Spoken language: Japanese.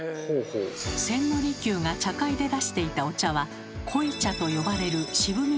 千利休が茶会で出していたお茶は「濃い茶」と呼ばれる渋みが強いもの。